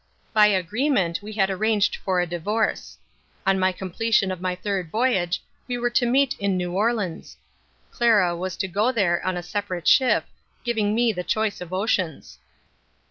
By agreement we had arranged for a divorce. On my completion of my third voyage we were to meet in New Orleans. Clara was to go there on a separate ship, giving me the choice of oceans.